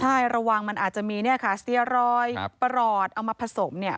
ใช่ระวังมันอาจจะมีเนี่ยค่ะสเตียรอยประหลอดเอามาผสมเนี่ย